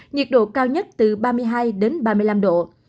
nhiệt độ cao nhất từ ba mươi hai ba mươi năm độ